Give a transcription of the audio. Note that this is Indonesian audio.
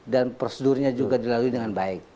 dan prosedurnya juga dilalui dengan baik